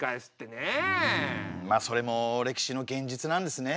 まあそれも歴史の現実なんですね。